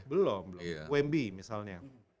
belum belum wmb misalnya